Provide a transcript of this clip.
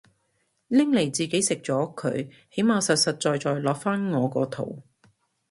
拎嚟自己食咗佢起碼實實在在落返我個肚